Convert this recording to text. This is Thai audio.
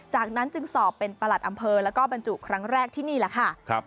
จากนั้นจึงสอบเป็นประหลัดอำเภอแล้วก็บรรจุครั้งแรกที่นี่แหละค่ะ